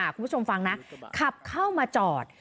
คุณผู้ชมฟังนะขับเข้ามาจอด